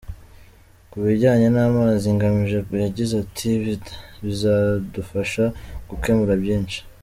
Ku bijyanye n’amazi, Ngamije yagize ati “bizadufasha gukemura byinshi.